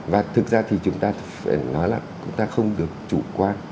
và thực ra thì chúng ta phải nói là chúng ta không được chủ quan